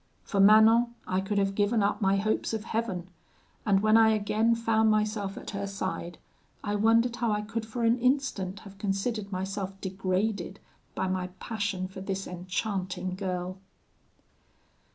For Manon I could have given up my hopes of heaven, and when I again found myself at her side, I wondered how I could for an instant have considered myself degraded by my passion for this enchanting girl.